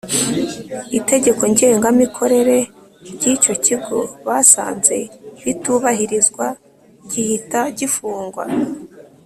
Itegeko ngenga mikorere ryicyo kigo basanze ritubagirizwa gihita gifungwa